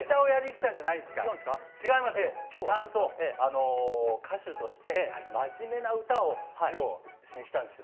ちゃんと歌手として真面目な歌を披露しに来たんですよ。